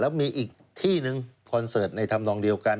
แล้วมีอีกที่หนึ่งคอนเสิร์ตในธรรมนองเดียวกัน